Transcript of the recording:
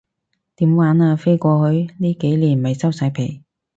點玩啊，飛過去？呢幾年咪收晒皮